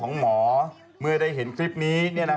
น้องน้องกลัวอย่าไปแจ้งตำรวจดีกว่าเด็ก